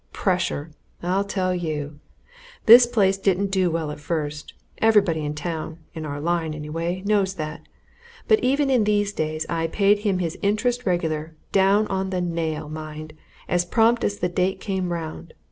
Pressure! I'll tell you! This place didn't do well at first everybody in town, in our line, anyway, knows that but even in these days I paid him his interest regular down on the nail, mind, as prompt as the date came round.